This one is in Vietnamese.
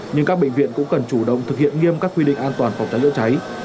nhưng các bệnh viện cũng cần chủ động thực hiện nghiêm các quy định an toàn phòng cháy chữa cháy